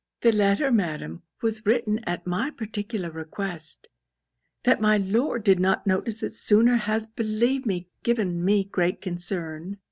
'The letter, madam, was written at my particular request; that my Lord did not notice it sooner, has, believe me, given me great concern.'